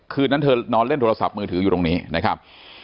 คืนนั้นเธอนอนเล่นโทรศัพท์มือถืออยู่ตรงนี้นะครับ